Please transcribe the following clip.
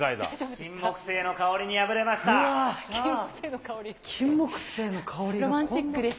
キンモクセイの香りに敗れまキンモクセイの香りが。